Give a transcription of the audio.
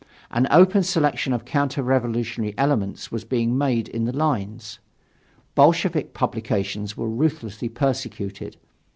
An open selection of counter revolutionary elements was being made in the lines. Bolshevik publications were ruthlessly persecuted.